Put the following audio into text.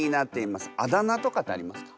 あだ名とかってありますか？